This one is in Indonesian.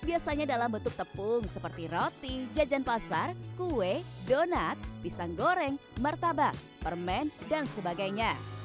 biasanya dalam bentuk tepung seperti roti jajan pasar kue donat pisang goreng martabak permen dan sebagainya